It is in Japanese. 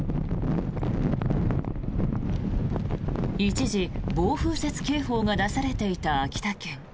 一時、暴風雪警報が出されていた秋田県。